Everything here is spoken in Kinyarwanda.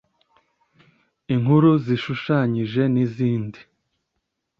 inkuru zishushanyije n’izindi